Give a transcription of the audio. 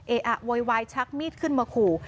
เออะโวยวายชักมีดขึ้นมาขู่